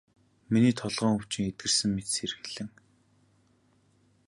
Миний толгойн өвчин эдгэрсэн мэт сэргэлэн.